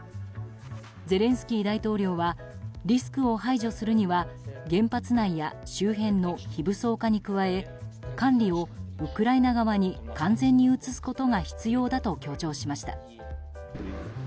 ゼレンスキー大統領はリスクを排除するには原発内や周辺の非武装化に加え管理をウクライナ側に完全に移すことが必要だと強調しました。